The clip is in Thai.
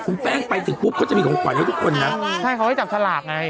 คุณแป้งไปถึงปุ๊บเขาจะมีของขวัญให้ทุกคนนะใช่เขาให้จับสลากไง